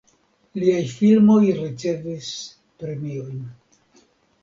Liaj filmoj ricevis premiojn.